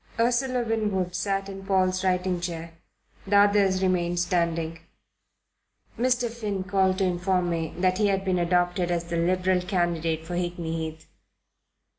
Ursula Winwood sat in Paul's writing chair. The others remained standing. "Mr. Finn called to inform me that he has been adopted as the Liberal candidate for Hickney Heath."'